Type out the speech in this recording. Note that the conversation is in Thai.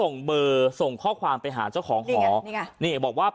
โดยงานส่งข้อความไปหานโดยรู้จั้าห่างผู้หญิง